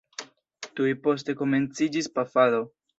Tuj poste komenciĝis pafado.